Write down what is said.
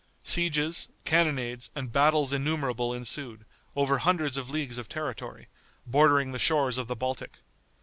Sieges, cannonades and battles innumerable ensued, over hundreds of leagues of territory, bordering the shores of the Baltic.